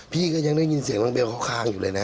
พี่ก็ยังได้ยินเสียงน้องเบลเขาคางอยู่เลยนะ